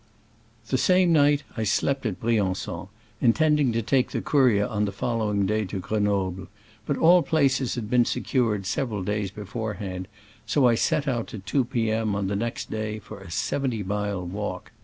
The same night I slept at Brian9on, intending to take the courier on the fol lowing day to Grenoble, but all places had been secured several days before hand, so I set out at two p. M. on the next day for a seventy mile walk.